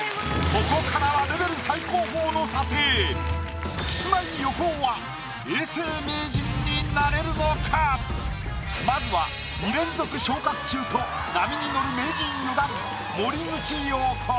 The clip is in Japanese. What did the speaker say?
ここからはキスマイ横尾は永世名人になれるのか⁉まずは２連続昇格中と波に乗る名人４段森口瑤子。